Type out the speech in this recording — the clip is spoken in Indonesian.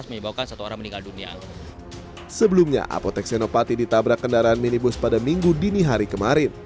sebelumnya apotek senopati ditabrak kendaraan minibus pada minggu dini hari kemarin